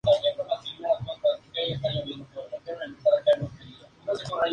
La encuentra notablemente visionaria con una visión positiva acerca del futuro para la humanidad.